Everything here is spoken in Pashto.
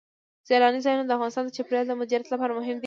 سیلانی ځایونه د افغانستان د چاپیریال د مدیریت لپاره مهم دي.